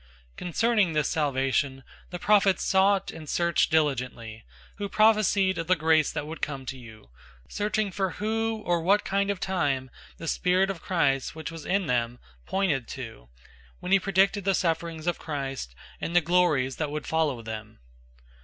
001:010 Concerning this salvation, the prophets sought and searched diligently, who prophesied of the grace that would come to you, 001:011 searching for who or what kind of time the Spirit of Christ, which was in them, pointed to, when he predicted the sufferings of Christ, and the glories that would follow them.